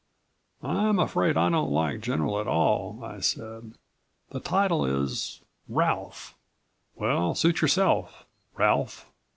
"I'm afraid I don't like 'General' at all," I said. "The title is ... Ralph." "Well ... suit yourself. _Ralph.